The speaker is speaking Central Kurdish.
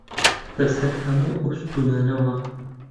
بەسەر هەموو ئەو ستوونانەوە